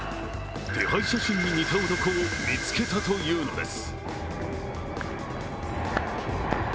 手配写真に似た男を見つけたというのです。